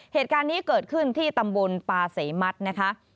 เหตุการณ์นี้เกิดขึ้นที่ตำบลปาเสมัตินะคะ